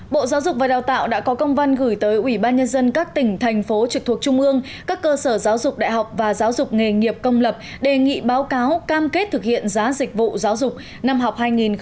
bộ giáo dục và đào tạo đã có công văn gửi tới ủy ban nhân dân các tỉnh thành phố trực thuộc trung ương các cơ sở giáo dục đại học và giáo dục nghề nghiệp công lập đề nghị báo cáo cam kết thực hiện giá dịch vụ giáo dục năm học hai nghìn hai mươi hai nghìn hai mươi